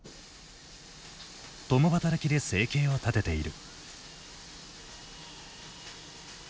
共働きで生計を立てている。